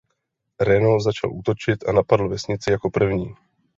Reno začal útočit a napadl vesnici jako první.